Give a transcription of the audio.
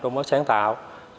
đổi mới sáng tạo